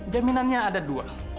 jaminannya ada dua